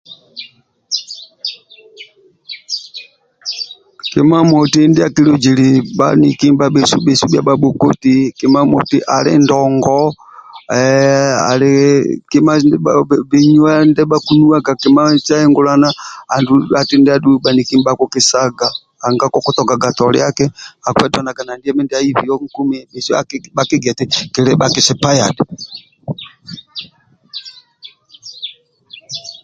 Kima moti ndia akiluzili bhaniki ndibhabhesu bhia bhabhokoti ali ndongo ehhh ali binuwa kima ndia bhakinuwaga kima se ingulana andulu ati ndia adhu bhaniki nibhakikisaga nanga kokutokaga toliaki nanga akietakanaga eti andiye mindia aibio nkumi bhesu bhakikigiaga eti kili bha kisipayadi